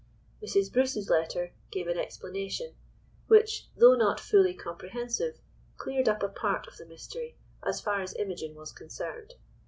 Mrs. Bruce's letter gave an explanation which, though not fully comprehensive, cleared up a part of the mystery, as far as Imogen was concerned.